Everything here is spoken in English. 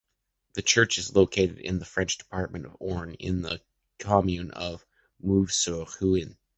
The church is located in the French department of Orne, in the commune of Mauves-sur-Huisne.